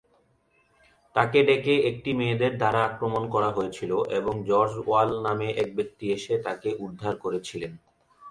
তাকে ডেকে একটি মেয়েদের দ্বারা আক্রমণ করা হয়েছিল, এবং জর্জ ওয়াল নামে এক ব্যক্তি এসে তাকে উদ্ধার করেছিলেন।